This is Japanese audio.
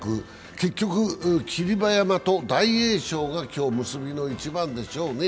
結局、霧馬山と大栄翔が今日結びの一番でしょうね。